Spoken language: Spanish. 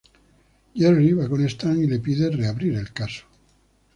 Jerry va con Stan y le pide reabrir el caso.